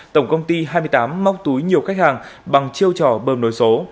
tổng công ty hai mươi tám móc túi nhiều khách hàng bằng chiêu trò bơm nối số